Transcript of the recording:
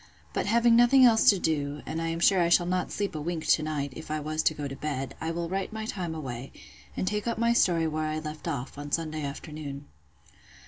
But having nothing else to do, and I am sure I shall not sleep a wink to night, if I was to go to bed, I will write my time away, and take up my story where I left off, on Sunday afternoon.